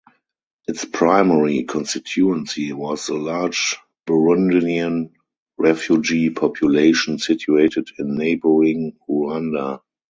Its primary constituency was the large Burundian refugee population situated in neighboring Rwanda.